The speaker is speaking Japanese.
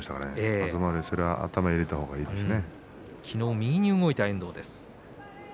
東龍は頭に入れた方がいいですね。